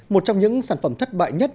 một trong những sản phẩm thất bại nhất